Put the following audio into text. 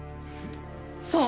そう！